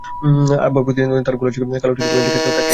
আব্বা প্রতিদিন তার ঘোলা চোখে কালো টেলিফোনের দিকে হয়তো তাকিয়ে থাকেন।